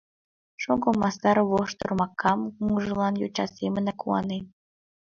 Шоҥго мастар вож тормакам мумыжлан йоча семынак куанен.